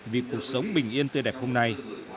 vì cuộc sống bình yên tươi đẹp hôm nay